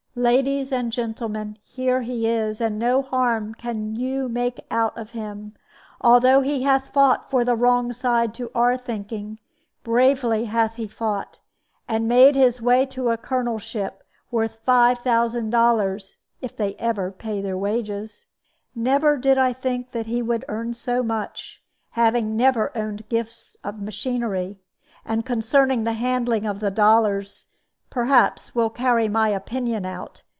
"Ladies and gentlemen, here he is, and no harm can you make out of him. Although he hath fought for the wrong side to our thinking, bravely hath he fought, and made his way to a colonelship, worth five thousand dollars, if ever they pay their wages. Never did I think that he would earn so much, having never owned gifts of machinery; and concerning the handling of the dollars, perhaps, will carry my opinion out.